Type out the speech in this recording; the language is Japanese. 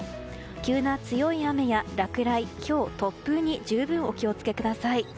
急な強い雨や落雷、ひょう、突風に十分お気を付けください。